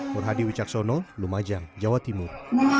murhadi wicaksono lumajang jawa timur